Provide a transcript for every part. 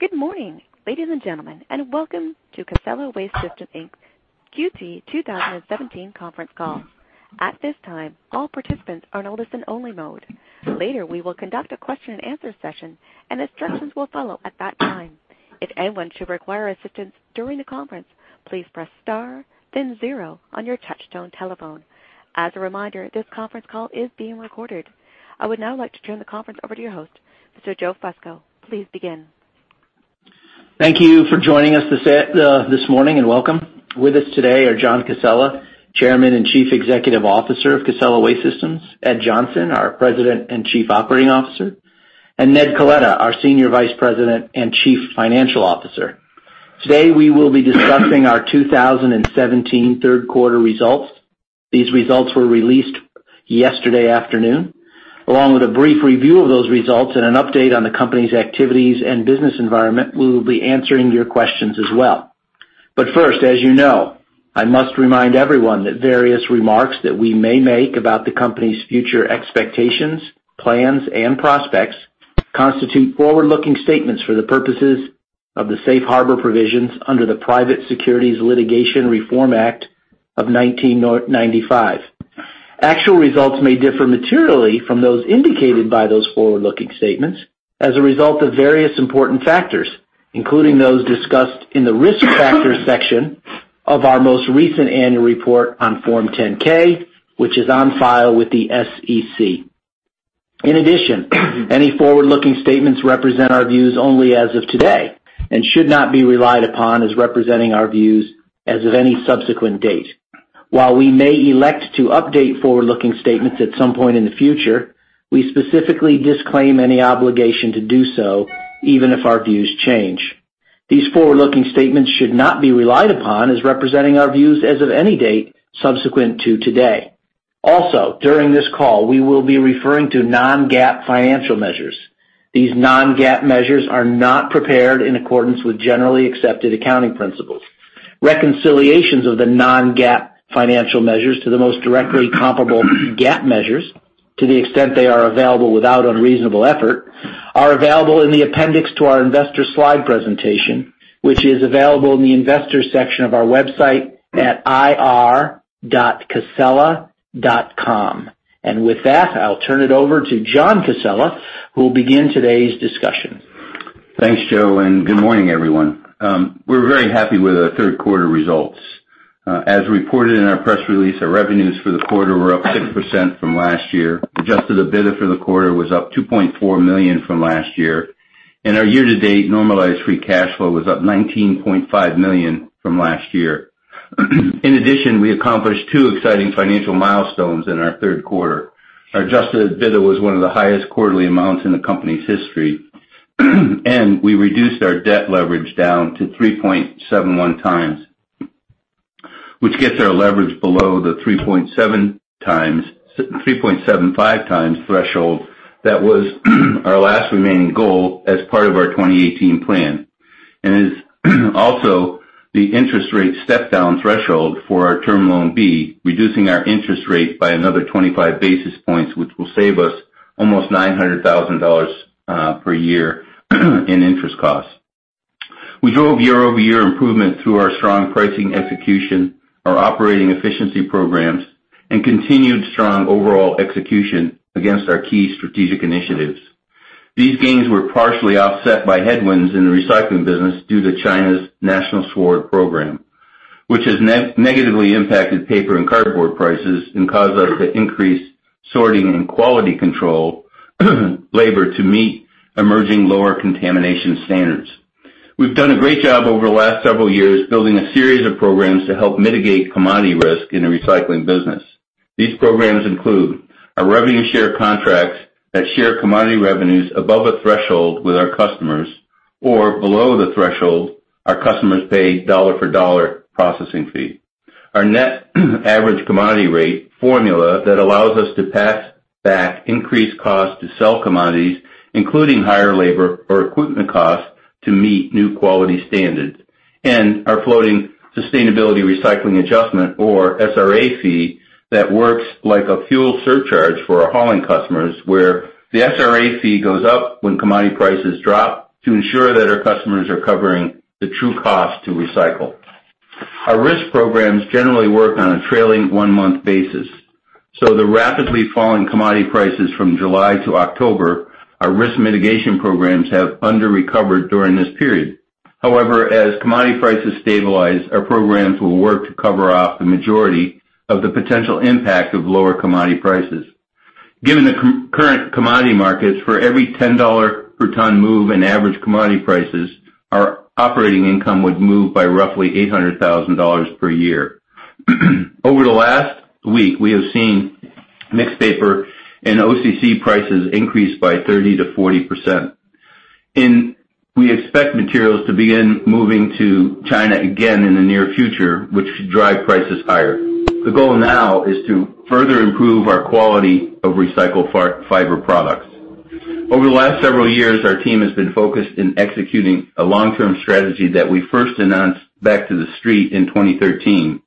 Good morning, ladies and gentlemen, and welcome to Casella Waste Systems Inc.'s Q3 2017 conference call. At this time, all participants are in listen-only mode. Later, we will conduct a question and answer session, and instructions will follow at that time. If anyone should require assistance during the conference, please press star then zero on your touchtone telephone. As a reminder, this conference call is being recorded. I would now like to turn the conference over to your host, Mr. Joseph Fusco. Please begin. Thank you for joining us this morning, and welcome. With us today are John Casella, Chairman and Chief Executive Officer of Casella Waste Systems, Edwin Johnson, our President and Chief Operating Officer, and Edmond Coletta, our Senior Vice President and Chief Financial Officer. Today, we will be discussing our 2017 third quarter results. These results were released yesterday afternoon. Along with a brief review of those results and an update on the company's activities and business environment, we will be answering your questions as well. First, as you know, I must remind everyone that various remarks that we may make about the company's future expectations, plans, and prospects constitute forward-looking statements for the purposes of the safe harbor provisions under the Private Securities Litigation Reform Act of 1995. Actual results may differ materially from those indicated by those forward-looking statements as a result of various important factors, including those discussed in the risk factors section of our most recent annual report on Form 10-K, which is on file with the SEC. In addition, any forward-looking statements represent our views only as of today and should not be relied upon as representing our views as of any subsequent date. While we may elect to update forward-looking statements at some point in the future, we specifically disclaim any obligation to do so, even if our views change. These forward-looking statements should not be relied upon as representing our views as of any date subsequent to today. Also, during this call, we will be referring to non-GAAP financial measures. These non-GAAP measures are not prepared in accordance with generally accepted accounting principles. Reconciliations of the non-GAAP financial measures to the most directly comparable GAAP measures, to the extent they are available without unreasonable effort, are available in the appendix to our investor slide presentation, which is available in the investors section of our website at ir.casella.com. With that, I'll turn it over to John Casella, who will begin today's discussion. Thanks, Joe, and good morning, everyone. We're very happy with our third quarter results. As reported in our press release, our revenues for the quarter were up 6% from last year. Adjusted EBITDA for the quarter was up $2.4 million from last year, and our year-to-date normalized free cash flow was up $19.5 million from last year. In addition, we accomplished two exciting financial milestones in our third quarter. Our adjusted EBITDA was one of the highest quarterly amounts in the company's history, and we reduced our debt leverage down to 3.71 times, which gets our leverage below the 3.75 times threshold that was our last remaining goal as part of our 2018 plan. It is also the interest rate step-down threshold for our Term Loan B, reducing our interest rate by another 25 basis points, which will save us almost $900,000 per year in interest costs. We drove year-over-year improvement through our strong pricing execution, our operating efficiency programs, and continued strong overall execution against our key strategic initiatives. These gains were partially offset by headwinds in the recycling business due to China's National Sword program, which has negatively impacted paper and cardboard prices and caused us to increase sorting and quality control labor to meet emerging lower contamination standards. We've done a great job over the last several years building a series of programs to help mitigate commodity risk in the recycling business. These programs include our revenue share contracts that share commodity revenues above a threshold with our customers, or below the threshold, our customers pay dollar for dollar processing fee. Our Net Average Commodity Rate formula that allows us to pass back increased cost to sell commodities, including higher labor or equipment costs to meet new quality standards. Our floating Sustainability Recycling Adjustment or SRA fee that works like a fuel surcharge for our hauling customers, where the SRA fee goes up when commodity prices drop to ensure that our customers are covering the true cost to recycle. Our risk programs generally work on a trailing one-month basis. The rapidly falling commodity prices from July to October, our risk mitigation programs have under-recovered during this period. However, as commodity prices stabilize, our programs will work to cover up the majority of the potential impact of lower commodity prices. Given the current commodity markets, for every $10 per ton move in average commodity prices, our operating income would move by roughly $800,000 per year. Over the last week, we have seen mixed paper and OCC prices increase by 30%-40%. We expect materials to begin moving to China again in the near future, which should drive prices higher. The goal now is to further improve our quality of recycled fiber products. Over the last several years, our team has been focused on executing a long-term strategy that we first announced back to the street in 2013.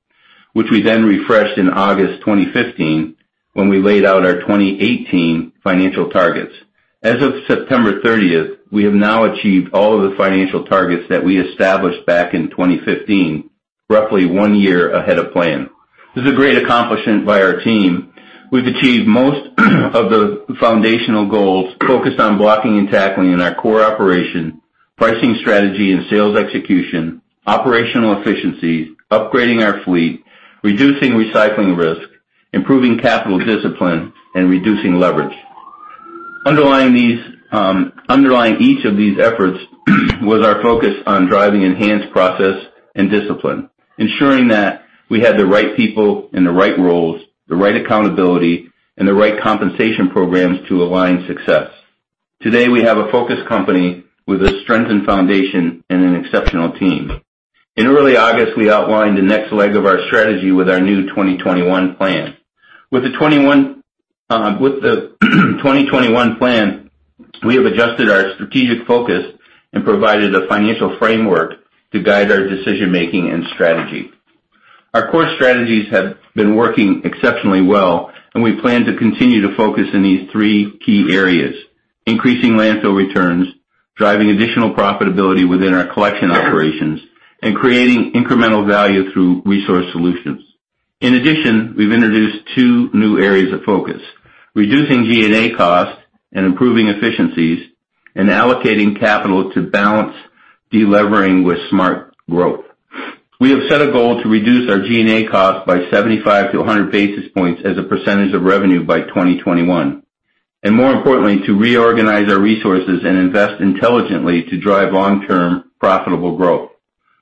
We then refreshed in August 2015, when we laid out our 2018 financial targets. As of September 30th, we have now achieved all of the financial targets that we established back in 2015, roughly one year ahead of plan. This is a great accomplishment by our team. We've achieved most of the foundational goals focused on blocking and tackling in our core operation, pricing strategy, and sales execution, operational efficiencies, upgrading our fleet, reducing recycling risk, improving capital discipline, and reducing leverage. Underlying each of these efforts was our focus on driving enhanced process and discipline, ensuring that we had the right people in the right roles, the right accountability, and the right compensation programs to align success. Today, we have a focused company with a strengthened foundation and an exceptional team. In early August, we outlined the next leg of our strategy with our new 2021 plan. With the 2021 plan, we have adjusted our strategic focus and provided a financial framework to guide our decision-making and strategy. Our core strategies have been working exceptionally well, and we plan to continue to focus on these three key areas: increasing landfill returns, driving additional profitability within our collection operations, and creating incremental value through resource solutions. In addition, we've introduced two new areas of focus, reducing G&A costs and improving efficiencies and allocating capital to balance de-levering with smart growth. We have set a goal to reduce our G&A cost by 75 to 100 basis points as a percentage of revenue by 2021, and more importantly, to reorganize our resources and invest intelligently to drive long-term profitable growth.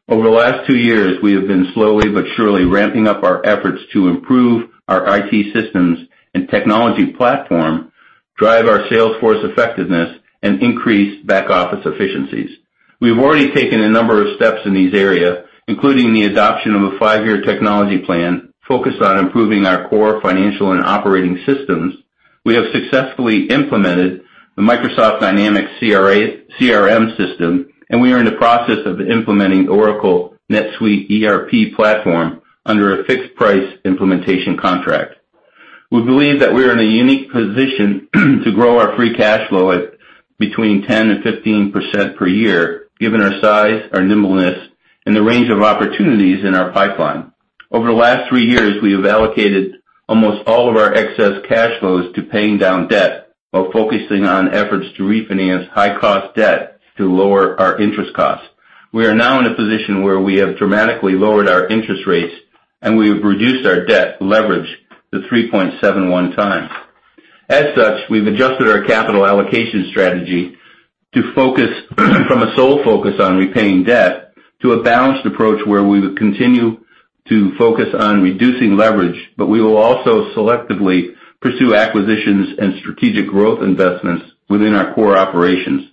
Over the last two years, we have been slowly but surely ramping up our efforts to improve our IT systems and technology platform, drive our sales force effectiveness, and increase back-office efficiencies. We've already taken a number of steps in this area, including the adoption of a five-year technology plan focused on improving our core financial and operating systems. We have successfully implemented the Microsoft Dynamics CRM system, and we are in the process of implementing Oracle NetSuite ERP platform under a fixed price implementation contract. We believe that we are in a unique position to grow our free cash flow between 10% and 15% per year, given our size, our nimbleness, and the range of opportunities in our pipeline. Over the last three years, we have allocated almost all of our excess cash flows to paying down debt while focusing on efforts to refinance high-cost debt to lower our interest costs. We are now in a position where we have dramatically lowered our interest rates, and we have reduced our debt leverage to 3.71 times. As such, we've adjusted our capital allocation strategy to focus from a sole focus on repaying debt to a balanced approach where we would continue to focus on reducing leverage, but we will also selectively pursue acquisitions and strategic growth investments within our core operations.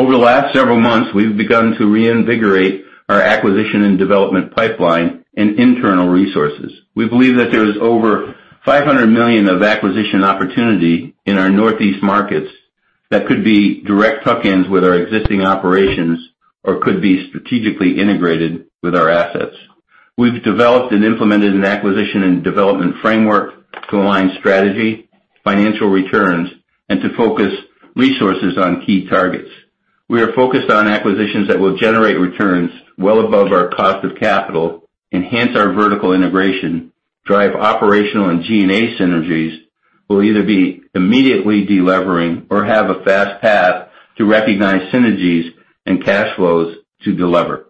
Over the last several months, we've begun to reinvigorate our acquisition and development pipeline and internal resources. We believe that there is over $500 million of acquisition opportunity in our Northeast markets that could be direct tuck-ins with our existing operations or could be strategically integrated with our assets. We've developed and implemented an acquisition and development framework to align strategy, financial returns, and to focus resources on key targets. We are focused on acquisitions that will generate returns well above our cost of capital, enhance our vertical integration, drive operational and G&A synergies, will either be immediately de-levering or have a fast path to recognize synergies and cash flows to delever.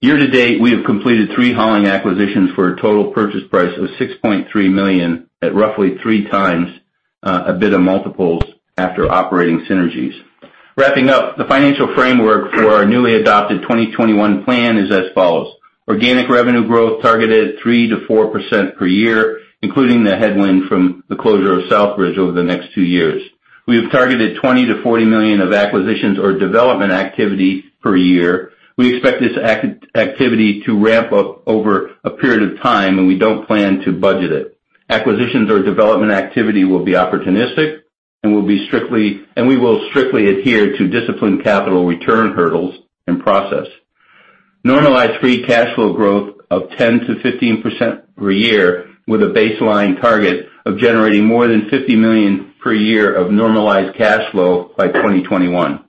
Year-to-date, we have completed three hauling acquisitions for a total purchase price of $6.3 million at roughly three times EBITDA multiples after operating synergies. Wrapping up, the financial framework for our newly adopted 2021 plan is as follows. Organic revenue growth targeted 3%-4% per year, including the headwind from the closure of Southbridge Landfill over the next two years. We have targeted $20 million-$40 million of acquisitions or development activity per year. We expect this activity to ramp up over a period of time, we don't plan to budget it. Acquisitions or development activity will be opportunistic, and we will strictly adhere to disciplined capital return hurdles and process. Normalized free cash flow growth of 10%-15% per year with a baseline target of generating more than $50 million per year of normalized cash flow by 2021.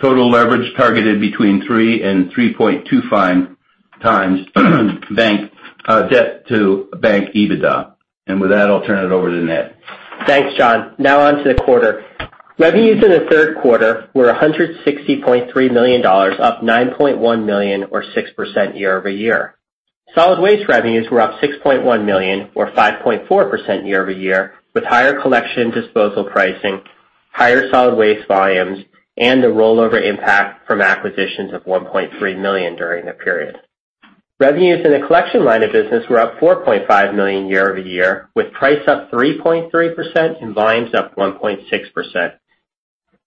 Total leverage targeted between 3 and 3.25 times debt to bank EBITDA. With that, I'll turn it over to Ned. Thanks, John. Now on to the quarter. Revenues in the third quarter were $160.3 million, up $9.1 million or 6% year-over-year. Solid waste revenues were up $6.1 million or 5.4% year-over-year, with higher collection disposal pricing, higher solid waste volumes, and the rollover impact from acquisitions of $1.3 million during the period. Revenues in the collection line of business were up $4.5 million year-over-year, with price up 3.3% and volumes up 1.6%.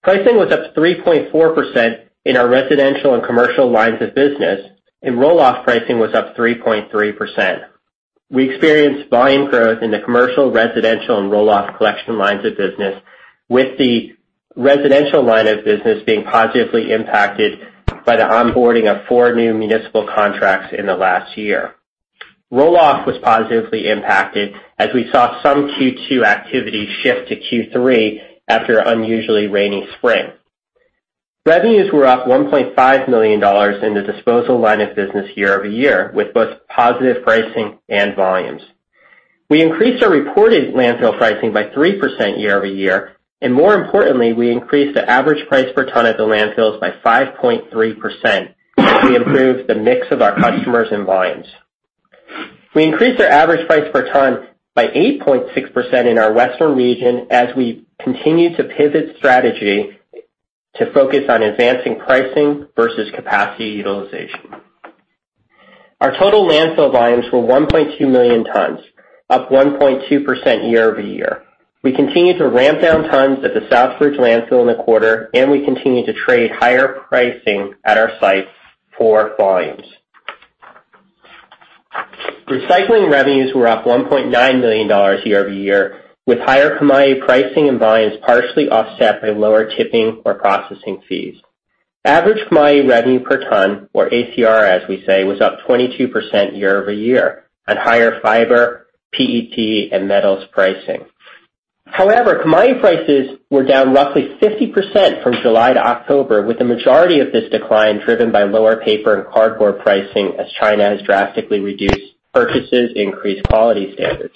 Pricing was up 3.4% in our residential and commercial lines of business, and roll-off pricing was up 3.3%. We experienced volume growth in the commercial, residential, and roll-off collection lines of business, with the residential line of business being positively impacted by the onboarding of four new municipal contracts in the last year. Roll-off was positively impacted as we saw some Q2 activity shift to Q3 after an unusually rainy spring. Revenues were up $1.5 million in the disposal line of business year-over-year, with both positive pricing and volumes. We increased our reported landfill pricing by 3% year-over-year, and more importantly, we increased the average price per ton at the landfills by 5.3% as we improved the mix of our customers and volumes. We increased our average price per ton by 8.6% in our western region as we continue to pivot strategy to focus on advancing pricing versus capacity utilization. Our total landfill volumes were 1.2 million tons, up 1.2% year-over-year. We continue to ramp down tons at the Southbridge Landfill in the quarter, and we continue to trade higher pricing at our sites for volumes. Recycling revenues were up $1.9 million year-over-year, with higher commodity pricing and volumes partially offset by lower tipping or processing fees. Average commodity revenue per ton, or ACR, as we say, was up 22% year-over-year on higher fiber, PET, and metals pricing. Commodity prices were down roughly 50% from July to October, with the majority of this decline driven by lower paper and cardboard pricing as China has drastically reduced purchases and increased quality standards.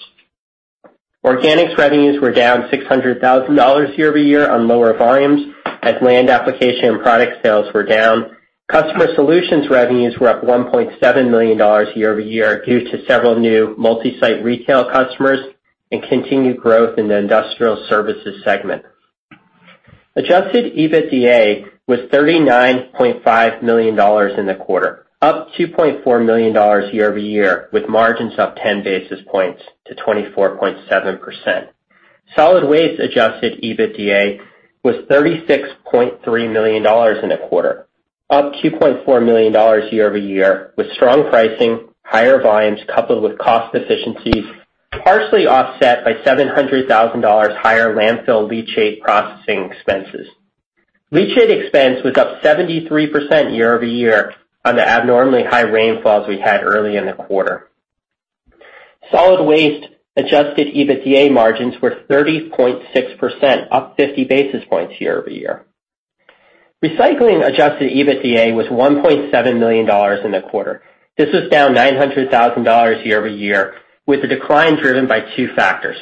Organics revenues were down $600,000 year-over-year on lower volumes as land application and product sales were down. Customer solutions revenues were up $1.7 million year-over-year due to several new multi-site retail customers and continued growth in the industrial services segment. Adjusted EBITDA was $39.5 million in the quarter, up $2.4 million year-over-year, with margins up 10 basis points to 24.7%. Solid waste adjusted EBITDA was $36.3 million in the quarter, up $2.4 million year-over-year, with strong pricing, higher volumes coupled with cost efficiencies partially offset by $700,000 higher landfill leachate processing expenses. Leachate expense was up 73% year-over-year on the abnormally high rainfalls we had early in the quarter. Solid waste adjusted EBITDA margins were 30.6%, up 50 basis points year-over-year. Recycling adjusted EBITDA was $1.7 million in the quarter. This was down $900,000 year-over-year with the decline driven by two factors.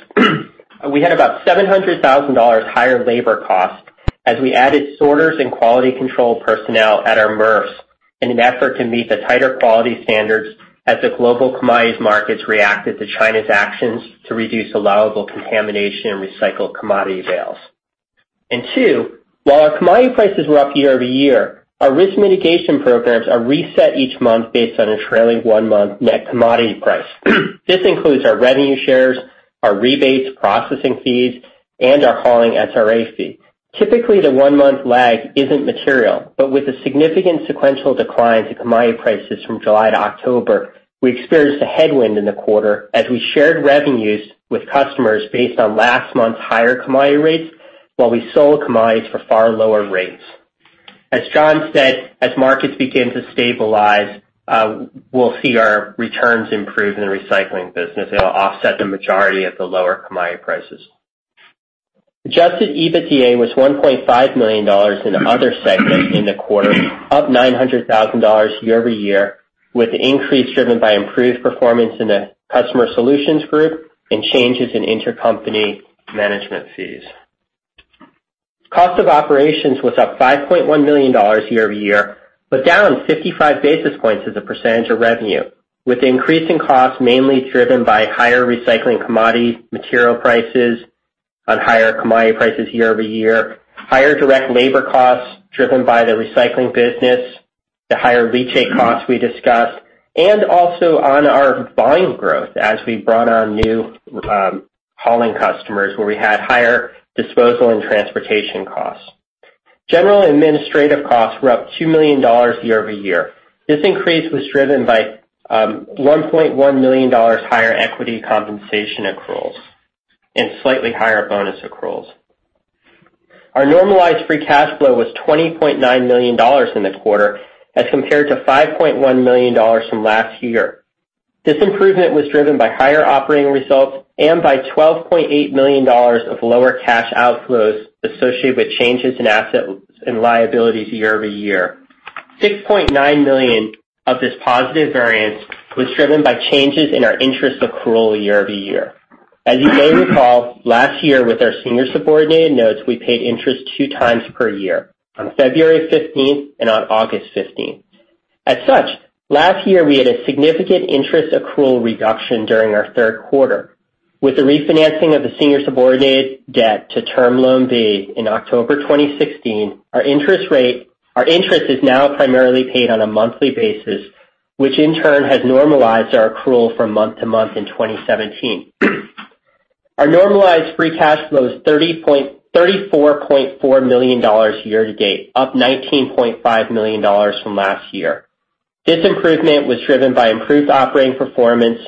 We had about $700,000 higher labor cost as we added sorters and quality control personnel at our MRFs in an effort to meet the tighter quality standards as the global commodities markets reacted to China's actions to reduce allowable contamination in recycled commodity bales. Two, while our commodity prices were up year-over-year, our risk mitigation programs are reset each month based on a trailing one-month net commodity price. This includes our revenue shares, our rebates, processing fees, and our hauling SRA fee. Typically, the one-month lag isn't material, but with the significant sequential decline to commodity prices from July to October, we experienced a headwind in the quarter as we shared revenues with customers based on last month's higher commodity rates while we sold commodities for far lower rates. As John said, as markets begin to stabilize, we'll see our returns improve in the recycling business. It'll offset the majority of the lower commodity prices. Adjusted EBITDA was $1.5 million in the other segment in the quarter, up $900,000 year-over-year, with the increase driven by improved performance in the customer solutions group and changes in intercompany management fees. Cost of operations was up $5.1 million year-over-year, but down 55 basis points as a percentage of revenue, with increasing costs mainly driven by higher recycling commodity material prices on higher commodity prices year-over-year, higher direct labor costs driven by the recycling business, the higher leachate costs we discussed, and also on our volume growth as we brought on new hauling customers where we had higher disposal and transportation costs. General administrative costs were up $2 million year-over-year. This increase was driven by $1.1 million higher equity compensation accruals and slightly higher bonus accruals. Our normalized free cash flow was $20.9 million in the quarter as compared to $5.1 million from last year. This improvement was driven by higher operating results and by $12.8 million of lower cash outflows associated with changes in assets and liabilities year-over-year. $6.9 million of this positive variance was driven by changes in our interest accrual year-over-year. As you may recall, last year with our senior subordinated notes, we paid interest two times per year, on February 15th and on August 15th. As such, last year, we had a significant interest accrual reduction during our third quarter. With the refinancing of the senior subordinated debt to Term Loan B in October 2016, our interest is now primarily paid on a monthly basis, which in turn has normalized our accrual from month-to-month in 2017. Our normalized free cash flow is $34.4 million year-to-date, up $19.5 million from last year. This improvement was driven by improved operating performance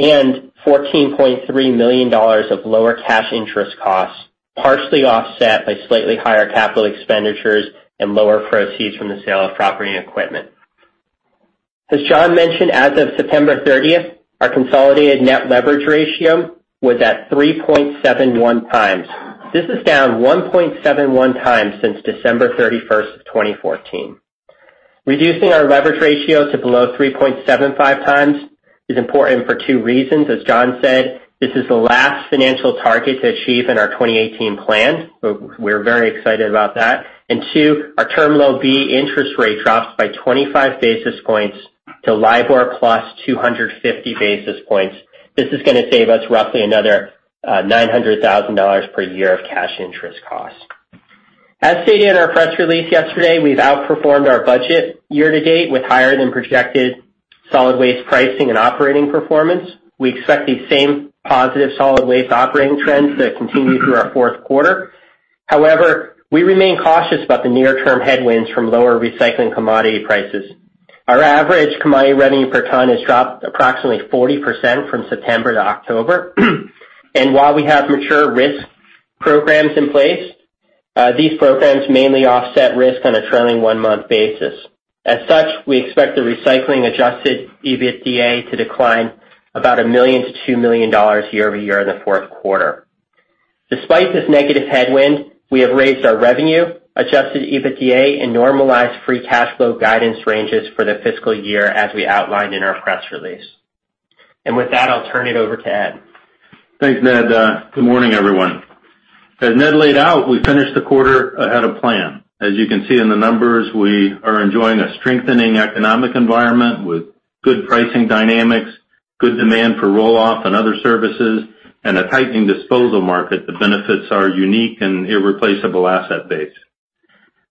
and $14.3 million of lower cash interest costs, partially offset by slightly higher capital expenditures and lower proceeds from the sale of property and equipment. As John mentioned, as of September 30th, our consolidated net leverage ratio was at 3.71 times. This is down 1.71 times since December 31st, 2014. Reducing our leverage ratio to below 3.75 times is important for two reasons. As John said, this is the last financial target to achieve in our 2018 plan. We're very excited about that. Two, our Term Loan B interest rate drops by 25 basis points to LIBOR plus 250 basis points. This is going to save us roughly another $900,000 per year of cash interest costs. As stated in our press release yesterday, we've outperformed our budget year-to-date with higher-than-projected solid waste pricing and operating performance. We expect these same positive solid waste operating trends to continue through our fourth quarter. We remain cautious about the near-term headwinds from lower recycling commodity prices. Our average commodity revenue per ton has dropped approximately 40% from September to October. While we have mature risk programs in place, these programs mainly offset risk on a trailing one-month basis. We expect the recycling adjusted EBITDA to decline about $1 million to $2 million year-over-year in the fourth quarter. Despite this negative headwind, we have raised our revenue, adjusted EBITDA, and normalized free cash flow guidance ranges for the fiscal year as we outlined in our press release. With that, I'll turn it over to Ed. Thanks, Ned. Good morning, everyone. As Ned laid out, we finished the quarter ahead of plan. We are enjoying a strengthening economic environment with good pricing dynamics, good demand for roll-off and other services, and a tightening disposal market that benefits our unique and irreplaceable asset base.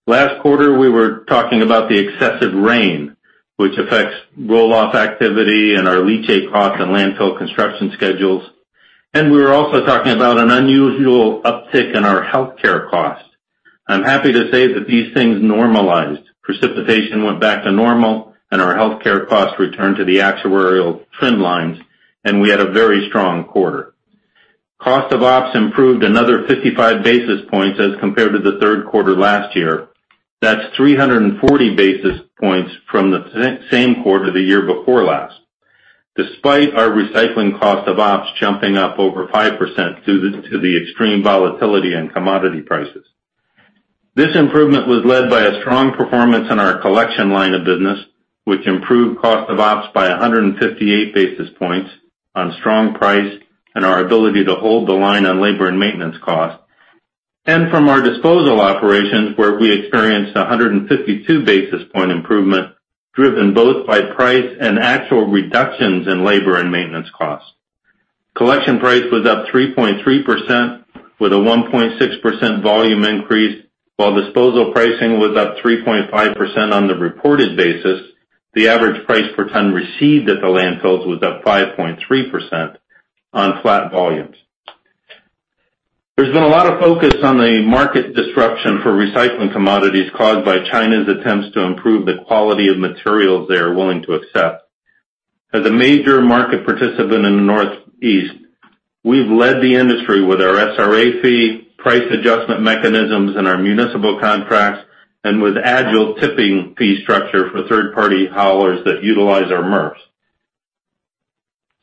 Last quarter, we were talking about the excessive rain, which affects roll-off activity and our leachate costs and landfill construction schedules. We were also talking about an unusual uptick in our healthcare costs. I'm happy to say that these things normalized. Precipitation went back to normal and our healthcare costs returned to the actuarial trend lines, we had a very strong quarter. Cost of ops improved another 55 basis points as compared to the third quarter last year. That's 340 basis points from the same quarter the year before last, despite our recycling cost of ops jumping up over 5% due to the extreme volatility in commodity prices. This improvement was led by a strong performance in our collection line of business, which improved cost of ops by 158 basis points on strong price and our ability to hold the line on labor and maintenance costs. From our disposal operations, where we experienced 152 basis point improvement, driven both by price and actual reductions in labor and maintenance costs. Collection price was up 3.3% with a 1.6% volume increase, while disposal pricing was up 3.5% on the reported basis. The average price per ton received at the landfills was up 5.3% on flat volumes. There's been a lot of focus on the market disruption for recycling commodities caused by China's attempts to improve the quality of materials they are willing to accept. As a major market participant in the Northeast, we've led the industry with our SRA fee price adjustment mechanisms in our municipal contracts and with agile tipping fee structure for third-party haulers that utilize our MRFs.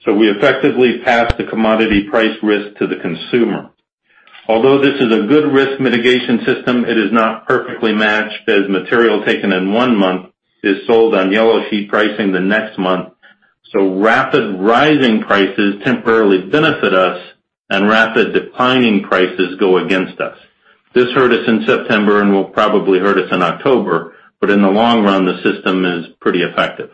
We effectively pass the commodity price risk to the consumer. Although this is a good risk mitigation system, it is not perfectly matched as material taken in one month is sold on Yellow Sheet pricing the next month, rapid rising prices temporarily benefit us and rapid declining prices go against us. This hurt us in September and will probably hurt us in October, but in the long run, the system is pretty effective.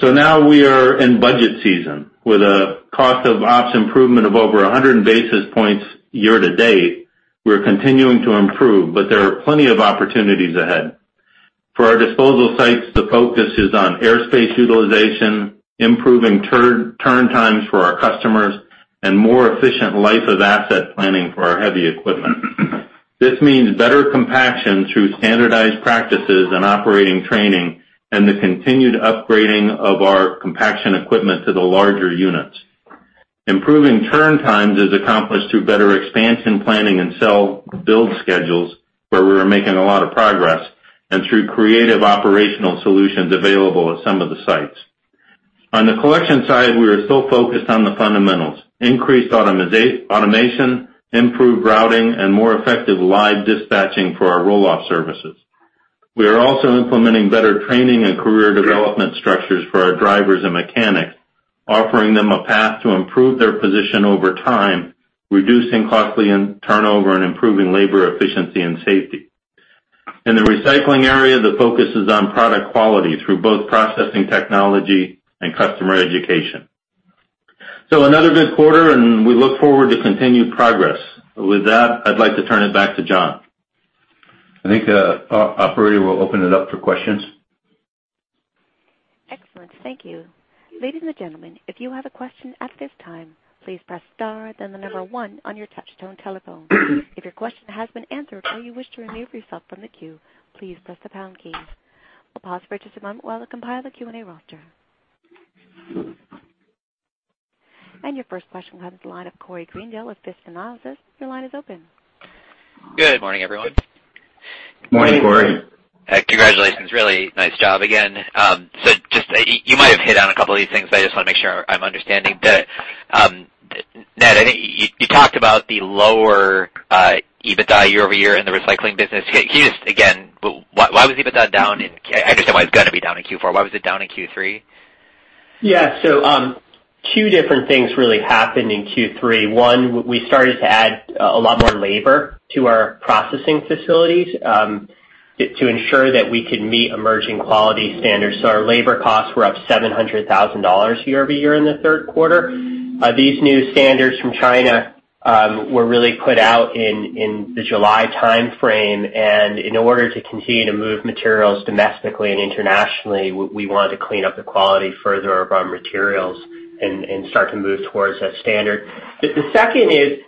Now we are in budget season with a cost of ops improvement of over 100 basis points year-to-date. We're continuing to improve, but there are plenty of opportunities ahead. For our disposal sites, the focus is on airspace utilization, improving turn times for our customers, and more efficient life-of-asset planning for our heavy equipment. This means better compaction through standardized practices and operating training and the continued upgrading of our compaction equipment to the larger units. Improving turn times is accomplished through better expansion planning and cell build schedules, where we are making a lot of progress, and through creative operational solutions available at some of the sites. On the collection side, we are still focused on the fundamentals, increased automation, improved routing, and more effective live dispatching for our roll-off services. We are also implementing better training and career development structures for our drivers and mechanics, offering them a path to improve their position over time, reducing costly turnover and improving labor efficiency and safety. In the recycling area, the focus is on product quality through both processing technology and customer education. Another good quarter, and we look forward to continued progress. With that, I'd like to turn it back to John. I think our operator will open it up for questions. Excellent. Thank you. Ladies and gentlemen, if you have a question at this time, please press star then the number 1 on your touch-tone telephone. If your question has been answered or you wish to remove yourself from the queue, please press the pound key. We'll pause for just a moment while I compile the Q&A roster. Your first question comes from the line of Corey Greendale with First Analysis. Your line is open. Good morning, everyone. Good morning, Corey. Congratulations. Really nice job again. Just you might have hit on a couple of these things. I just want to make sure I'm understanding. Ned, I think you talked about the lower EBITDA year-over-year in the recycling business. Can you just, again, why was EBITDA down? I understand why it's going to be down in Q4. Why was it down in Q3? Yeah. Two different things really happened in Q3. One, we started to add a lot more labor to our processing facilities to ensure that we could meet emerging quality standards. Our labor costs were up $700,000 year-over-year in the third quarter. These new standards from China were really put out in the July timeframe, and in order to continue to move materials domestically and internationally, we wanted to clean up the quality further of our materials and start to move towards that standard. The second is,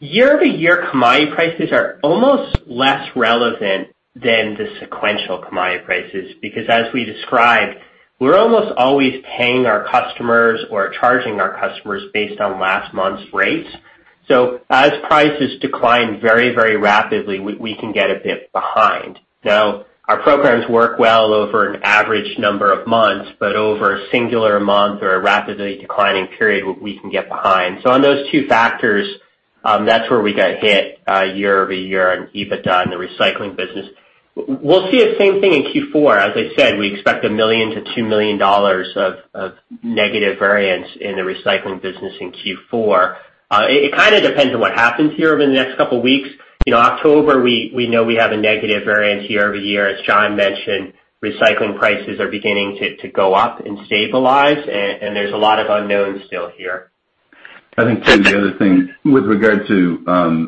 year-over-year commodity prices are almost less relevant than the sequential commodity prices because, as we described, we're almost always paying our customers or charging our customers based on last month's rates. As prices decline very, very rapidly, we can get a bit behind. Our programs work well over an average number of months, but over a singular month or a rapidly declining period, we can get behind. On those two factors, that's where we got hit year-over-year on EBITDA on the recycling business. We'll see the same thing in Q4. As I said, we expect $1 million-$2 million of negative variance in the recycling business in Q4. It kind of depends on what happens here over the next couple of weeks. October, we know we have a negative variance year-over-year. As John mentioned, recycling prices are beginning to go up and stabilize, there's a lot of unknowns still here. I think the other thing with regard to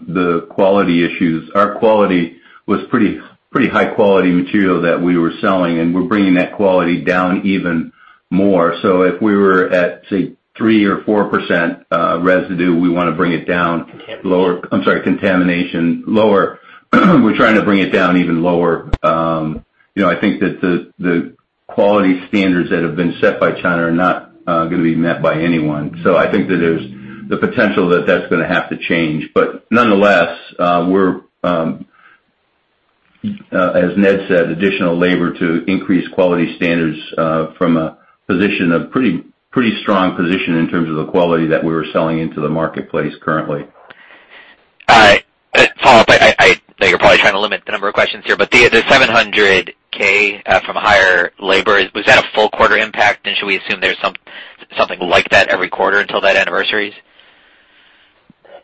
the quality issues, our quality was pretty high-quality material that we were selling, we're bringing that quality down even more. If we were at, say, 3% or 4% residue, we want to bring it down lower. Contamination. I'm sorry, contamination lower. We're trying to bring it down even lower. I think that the quality standards that have been set by China are not going to be met by anyone. I think that there's the potential that that's going to have to change. Nonetheless, we're, as Ned said, additional labor to increase quality standards from a position of pretty strong position in terms of the quality that we were selling into the marketplace currently. All right. Follow up. I know you're probably trying to limit the number of questions here, the $700,000 from higher labor, was that a full quarter impact, should we assume there's something like that every quarter until that anniversaries?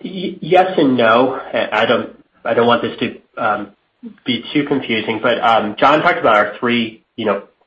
Yes and no. I don't want this to be too confusing, John talked about our three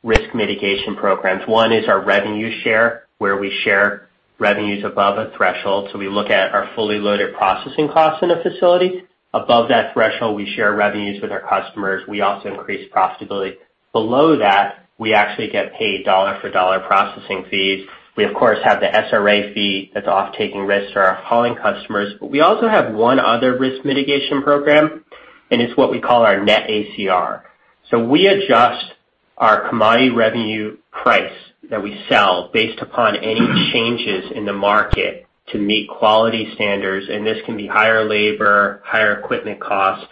risk mitigation programs. One is our revenue share, where we share revenues above a threshold. We look at our fully loaded processing costs in a facility. Above that threshold, we share revenues with our customers. We also increase profitability. Below that, we actually get paid dollar for dollar processing fees. We, of course, have the SRA fee that's off-taking risks to our hauling customers. We also have one other risk mitigation program, and it's what we call our net ACR. We adjust our commodity revenue price that we sell based upon any changes in the market to meet quality standards, and this can be higher labor, higher equipment costs.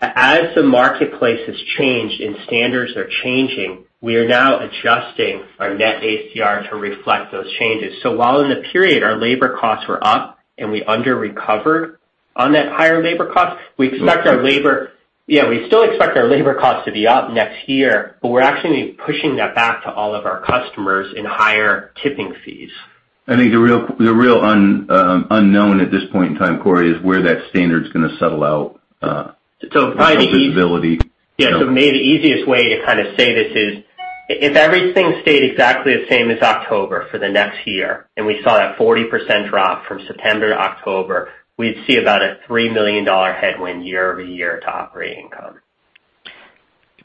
As the marketplace has changed and standards are changing, we are now adjusting our net ACR to reflect those changes. While in the period our labor costs were up and we under-recovered on that higher labor cost, we still expect our labor cost to be up next year, but we're actually pushing that back to all of our customers in higher tipping fees. I think the real unknown at this point in time, Corey, is where that standard is going to settle out. So probably- Visibility. Maybe the easiest way to kind of say this is if everything stayed exactly the same as October for the next year, and we saw that 40% drop from September to October, we'd see about a $3 million headwind year-over-year to operating income.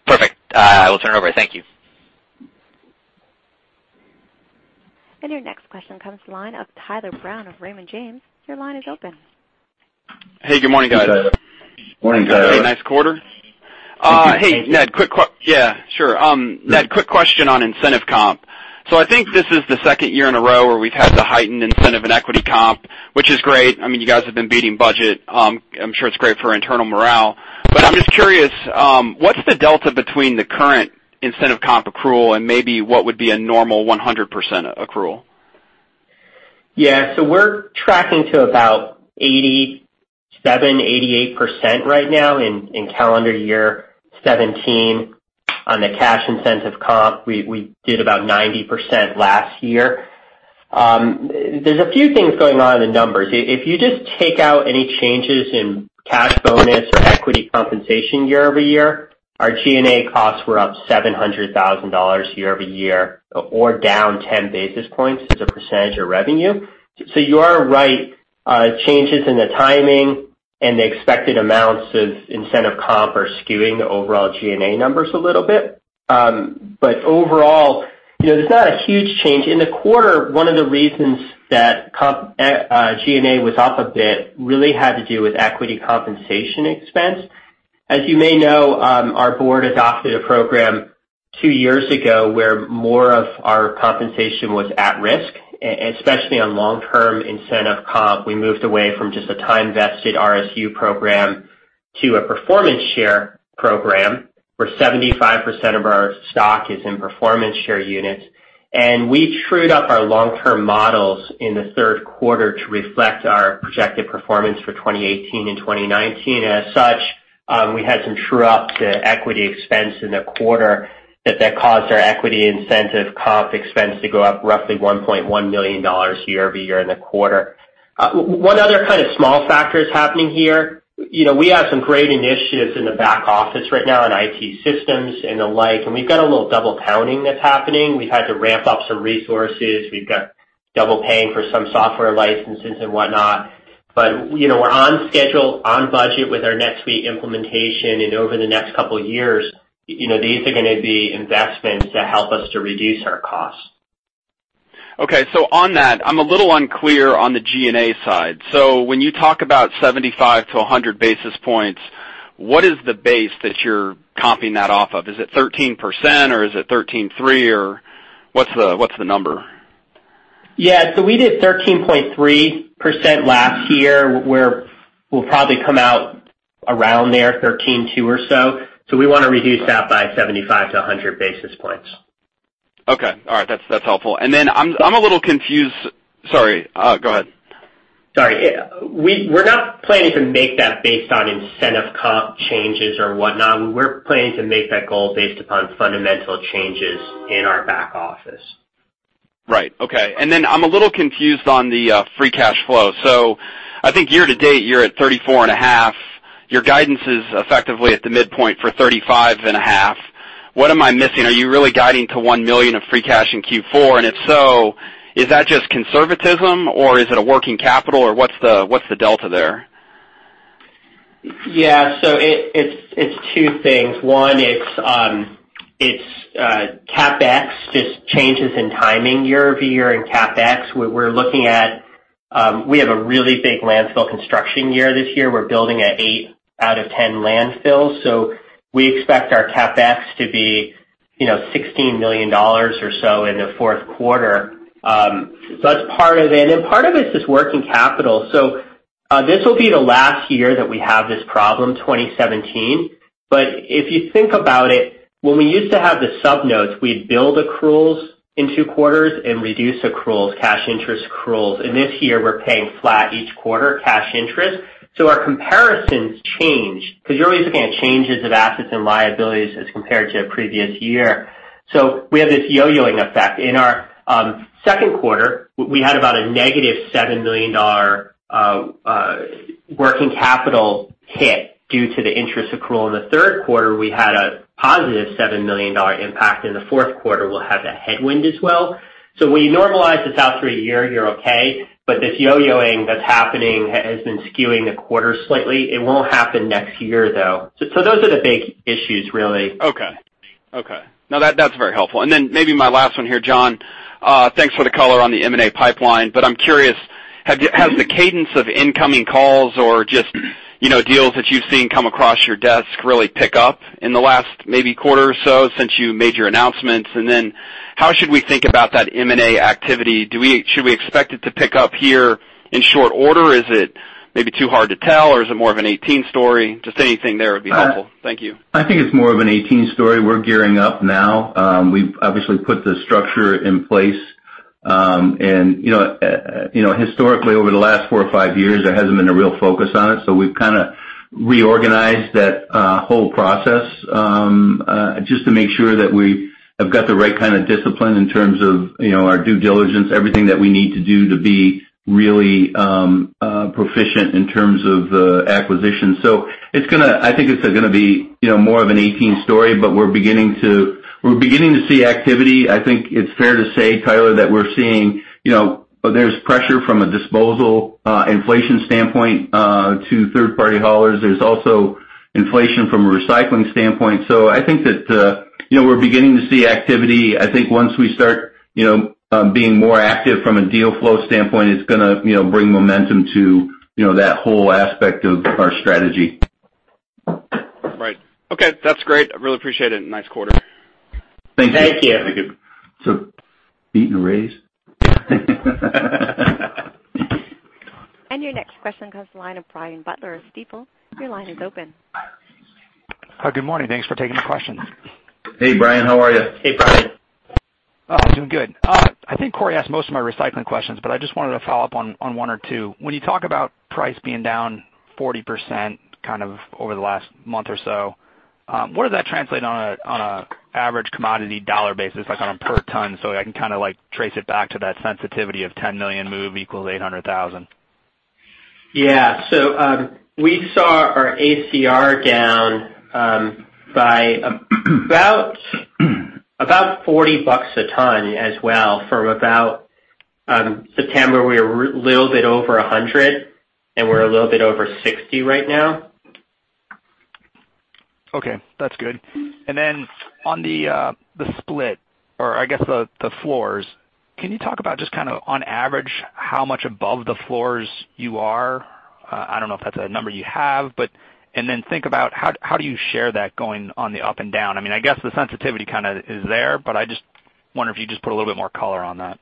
Perfect. I will turn it over. Thank you. Your next question comes from the line of Tyler Brown of Raymond James. Your line is open. Hey, good morning, guys. Morning, Tyler. Hey, nice quarter. Thank you. Hey, Ned, yeah, sure. Ned, quick question on incentive comp. I think this is the second year in a row where we've had the heightened incentive in equity comp, which is great. I mean, you guys have been beating budget. I'm just curious, what's the delta between the current incentive comp accrual and maybe what would be a normal 100% accrual? Yeah. We're tracking to about 87%-88% right now in calendar year 2017 on the cash incentive comp. We did about 90% last year. There's a few things going on in the numbers. If you just take out any changes in cash bonus or equity compensation year-over-year, our G&A costs were up $700,000 year-over-year or down 10 basis points as a percentage of revenue. You are right. Changes in the timing The expected amounts of incentive comp are skewing the overall G&A numbers a little bit. Overall, it's not a huge change. In the quarter, one of the reasons that G&A was off a bit really had to do with equity compensation expense. As you may know, our board adopted a program two years ago where more of our compensation was at risk, especially on long-term incentive comp. We moved away from just a time-vested RSU program to a performance share program, where 75% of our stock is in performance share units. We trued up our long-term models in the third quarter to reflect our projected performance for 2018 and 2019. As such, we had some true-up to equity expense in the quarter that caused our equity incentive comp expense to go up roughly $1.1 million year-over-year in the quarter. One other kind of small factor is happening here. We have some great initiatives in the back office right now on IT systems and the like, we've got a little double counting that's happening. We've had to ramp up some resources. We've got double paying for some software licenses and whatnot. We're on schedule, on budget with our NetSuite implementation, Over the next two years, these are going to be investments that help us to reduce our costs. Okay. On that, I'm a little unclear on the G&A side. When you talk about 75 to 100 basis points, what is the base that you're comping that off of? Is it 13% or is it 13.3%, or what's the number? Yeah. We did 13.3% last year, where we'll probably come out around there, 13.2 or so. We want to reduce that by 75 to 100 basis points. Okay. All right. That's helpful. I'm a little confused. Sorry, go ahead. Sorry. We're not planning to make that based on incentive comp changes or whatnot. We're planning to make that goal based upon fundamental changes in our back office. Right. Okay. I'm a little confused on the free cash flow. I think year to date, you're at $34 and a half. Your guidance is effectively at the midpoint for $35 and a half. What am I missing? Are you really guiding to $1 million of free cash in Q4? If so, is that just conservatism, or is it a working capital, or what's the delta there? It's two things. One, it's CapEx, just changes in timing year-over-year in CapEx, where we're looking at. We have a really big landfill construction year this year. We're building eight out of 10 landfills. We expect our CapEx to be $16 million or so in the fourth quarter. That's part of it, and part of it is just working capital. This will be the last year that we have this problem, 2017. If you think about it, when we used to have the sub-notes, we'd build accruals in two quarters and reduce accruals, cash interest accruals. In this year, we're paying flat each quarter, cash interest. Our comparisons change, because you're always looking at changes of assets and liabilities as compared to a previous year. We have this yo-yoing effect. In our second quarter, we had about a negative $7 million working capital hit due to the interest accrual. In the third quarter, we had a positive $7 million impact. In the fourth quarter, we'll have the headwind as well. When you normalize this out through a year, you're okay, but this yo-yoing that's happening has been skewing the quarter slightly. It won't happen next year, though. Those are the big issues, really. That's very helpful. Maybe my last one here, John. Thanks for the color on the M&A pipeline, but I'm curious, has the cadence of incoming calls or just deals that you've seen come across your desk really pick up in the last maybe quarter or so since you made your announcements? How should we think about that M&A activity? Should we expect it to pick up here in short order? Is it maybe too hard to tell, or is it more of an 2018 story? Just anything there would be helpful. Thank you. I think it's more of an 2018 story. We're gearing up now. We've obviously put the structure in place. Historically, over the last four or five years, there hasn't been a real focus on it. We've kind of reorganized that whole process, just to make sure that we have got the right kind of discipline in terms of our due diligence, everything that we need to do to be really proficient in terms of acquisitions. I think it's going to be more of an 2018 story, but we're beginning to see activity. I think it's fair to say, Tyler, that we're seeing there's pressure from a disposal inflation standpoint to third-party haulers. There's also inflation from a recycling standpoint. I think that we're beginning to see activity. I think once we start being more active from a deal flow standpoint, it's going to bring momentum to that whole aspect of our strategy. Right. Okay. That's great. I really appreciate it, and nice quarter. Thank you. Thank you. Beat and raise? Your next question comes the line of Brian Butler of Stifel. Your line is open. Good morning. Thanks for taking the questions. Hey, Brian. How are you? Hey, Brian. I'm doing good. I think Corey asked most of my recycling questions, but I just wanted to follow up on one or two. When you talk about price being down 40% kind of over the last month or so, what does that translate on an average commodity dollar basis, like on a per ton, so I can kind of trace it back to that sensitivity of $10 million move equals $800,000? Yeah. We saw our ACR down by about $40 a ton as well from about September. We were a little bit over $100, and we're a little bit over $60 right now. Okay. That's good. Then on the split or I guess the floors, can you talk about just kind of on average, how much above the floors you are? I don't know if that's a number you have, and then think about how do you share that going on the up and down? I guess the sensitivity kind of is there, but I just wonder if you just put a little bit more color on that.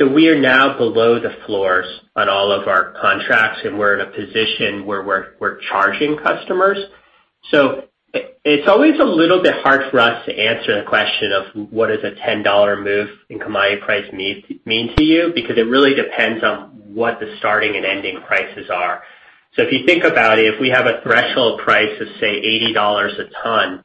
We are now below the floors on all of our contracts, and we're in a position where we're charging customers. It's always a little bit hard for us to answer the question of what is a $10 move in commodity price mean to you, because it really depends on what the starting and ending prices are. If you think about it, if we have a threshold price of, say, $80 a ton,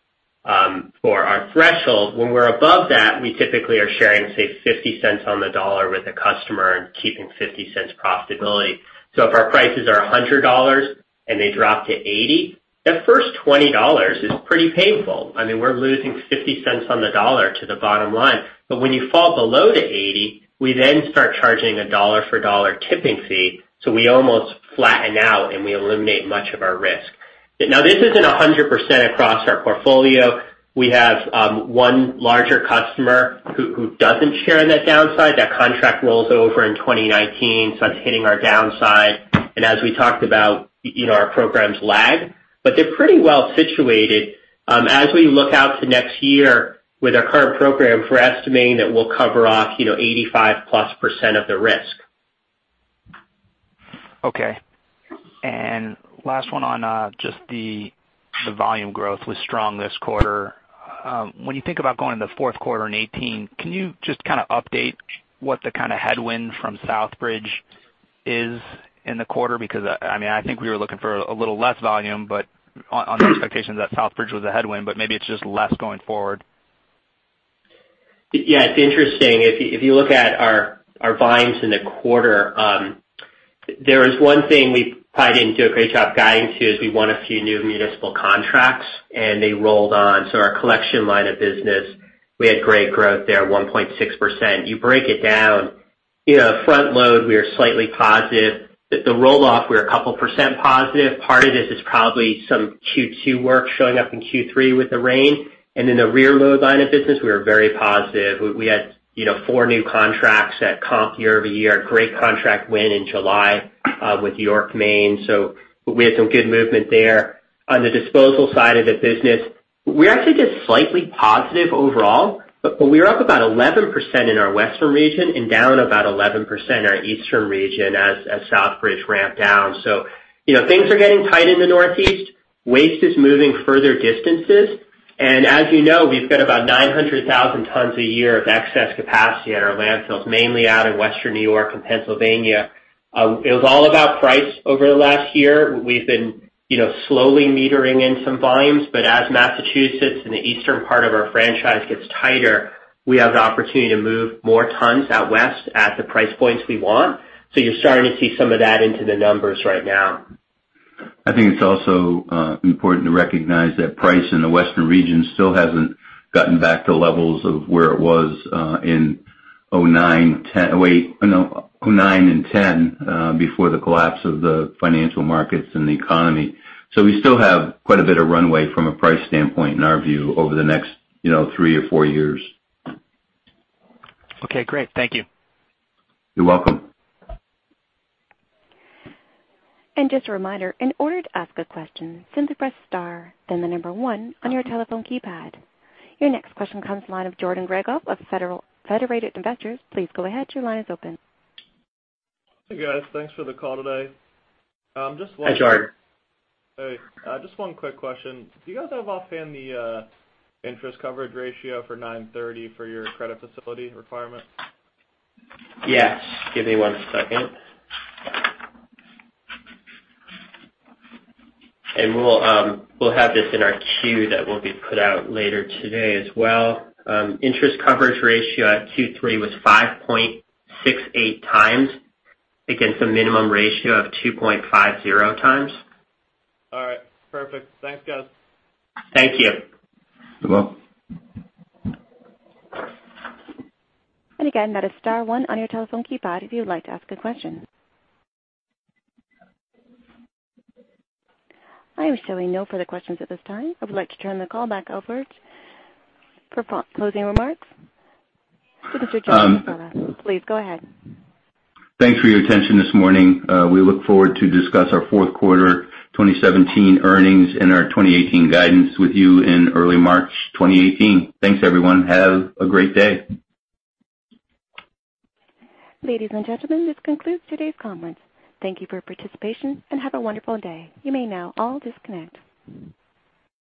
for our threshold, when we're above that, we typically are sharing, say, $0.50 on the dollar with the customer and keeping $0.50 profitability. If our prices are $100 and they drop to $80, that first $20 is pretty painful. We're losing $0.50 on the dollar to the bottom line. When you fall below the $80, we then start charging a dollar for dollar tipping fee. We almost flatten out, we eliminate much of our risk. This isn't 100% across our portfolio. We have one larger customer who doesn't share in that downside. That contract rolls over in 2019, that's hitting our downside. As we talked about, our programs lag, but they're pretty well situated. As we look out to next year with our current program, we're estimating that we'll cover off, 85%+ of the risk. Last one on just the volume growth was strong this quarter. When you think about going into the fourth quarter in 2018, can you just kind of update what the kind of headwind from Southbridge is in the quarter? I think we were looking for a little less volume, but on the expectations that Southbridge was a headwind, but maybe it's just less going forward. It's interesting. If you look at our volumes in the quarter, there is one thing we probably didn't do a great job guiding to is we won a few new municipal contracts, they rolled on. Our collection line of business, we had great growth there, 1.6%. You break it down, front load, we are slightly positive. The roll-off, we're a couple % positive. Part of this is probably some Q2 work showing up in Q3 with the rain. The rear load line of business, we are very positive. We had four new contracts that comp year-over-year. Great contract win in July, with York, Maine. We had some good movement there. On the disposal side of the business, we're actually just slightly positive overall, we are up about 11% in our western region and down about 11% in our eastern region as Southbridge ramped down. Things are getting tight in the northeast. Waste is moving further distances, as you know, we've got about 900,000 tons a year of excess capacity at our landfills, mainly out in Western New York and Pennsylvania. It was all about price over the last year. We've been slowly metering in some volumes, but as Massachusetts and the eastern part of our franchise gets tighter, we have the opportunity to move more tons out west at the price points we want. You're starting to see some of that into the numbers right now. It's also important to recognize that price in the western region still hasn't gotten back to levels of where it was in 2009 and 2010, before the collapse of the financial markets and the economy. We still have quite a bit of runway from a price standpoint in our view over the next three or four years. Okay, great. Thank you. You're welcome. Just a reminder, in order to ask a question, simply press star then the number 1 on your telephone keypad. Your next question comes line of Jordan Gregov of Federated Investors. Please go ahead. Your line is open. Hey, guys. Thanks for the call today. Hi, Jordan. Hey. Just one quick question. Do you guys have offhand the interest coverage ratio for 9/30 for your credit facility requirement? Yes. Give me one second. We'll have this in our Q that will be put out later today as well. Interest coverage ratio at Q3 was 5.68 times against a minimum ratio of 2.50 times. All right. Perfect. Thanks, guys. Thank you. You're welcome. Again, that is star one on your telephone keypad if you'd like to ask a question. I am showing no further questions at this time. I would like to turn the call back over for closing remarks to Mr. John Casella. Please go ahead. Thanks for your attention this morning. We look forward to discuss our fourth quarter 2017 earnings and our 2018 guidance with you in early March 2018. Thanks, everyone. Have a great day. Ladies and gentlemen, this concludes today's conference. Thank you for participation, and have a wonderful day. You may now all disconnect.